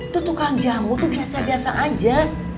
tuh tukang jamu tuh biasa biasa aja